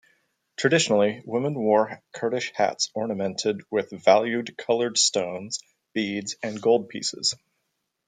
Traditionally women wore Kurdish hats ornamented with valued coloured stones, beads and gold pieces.